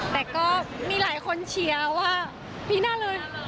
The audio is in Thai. แต่ก็มีหลายคนเชียร์ว่าปีหน้าเลย